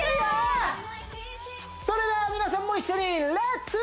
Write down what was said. それでは皆さんも一緒にレッツ！